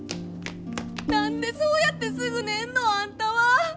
何でそうやってすぐ寝んのあんたは！